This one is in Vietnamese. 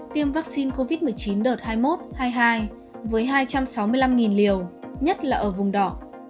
tiêm vaccine covid một mươi chín đợt hai mươi một hai mươi hai với hai trăm sáu mươi năm liều nhất là ở vùng đỏ